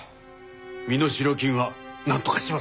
身代金はなんとかします。